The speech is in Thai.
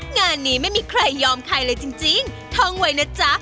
งานนี้ไม่มีใครยอมใครเลยจริงท่องไว้นะจ๊ะ